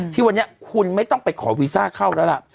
ที่วันนี้คุณไม่ต้องไปขอวีซ่าเข้าแล้วล่ะ